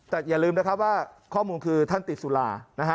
แต่อย่าลืมนะครับว่าข้อมูลคือท่านติดสุรานะฮะ